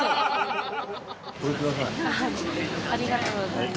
ありがとうございます。